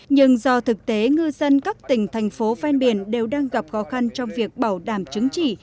nhưng do thực tế ngư dân các tỉnh thành phố ven biển đều đang gặp khó khăn trong việc bảo đảm chứng chỉ